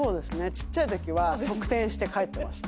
ちっちゃいときは側転して帰ってました。